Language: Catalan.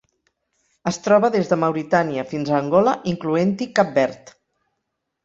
Es troba des de Mauritània fins a Angola, incloent-hi Cap Verd.